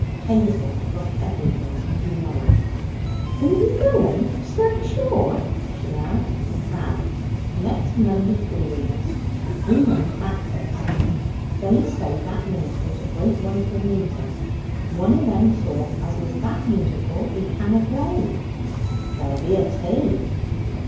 Hazel forgot everything in delight. 'Be we going for certain sure?' she asked. 'Ah! Next Monday three weeks.' 'We mun practise.' 'They say that minister's a great one for the music. One of them sort as is that musical he canna play. There'll be a tea.'